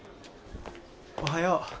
おはよう。